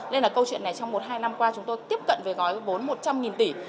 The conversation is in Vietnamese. nên là câu chuyện này trong một hai năm qua chúng tôi tiếp cận với gói bốn một trăm linh tỷ